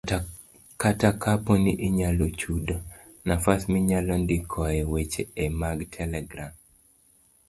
Kata kapo ni inyalo chudo, nafas minyalondikoe weche e mag telegram